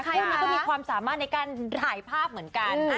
คู่นี้ก็มีความสามารถในการถ่ายภาพเหมือนกัน